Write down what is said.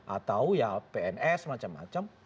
atau ya pns macam macam